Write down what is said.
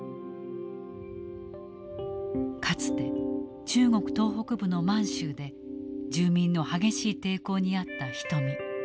かつて中国東北部の満州で住民の激しい抵抗に遭った人見。